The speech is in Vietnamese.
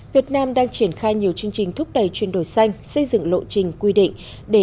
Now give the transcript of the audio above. việt nam đang triển khai nhiều chương trình thúc đẩy chuyển đổi xanh xây dựng lộ trình quy định